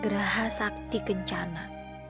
geraha sakti kencana